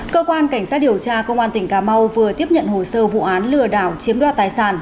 cơ quan cảnh sát điều tra công an tp hà nội vừa tiếp nhận hồ sơ vụ án lừa đảo chiếm đoạt tài sản